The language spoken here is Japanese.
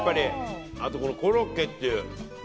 あと、このコロッケっていう。